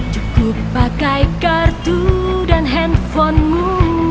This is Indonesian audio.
cukup pakai kartu dan handphonemu